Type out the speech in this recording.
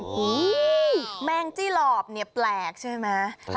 โอ้โฮแมงจี้หลบนี่แปลกใช่ไหม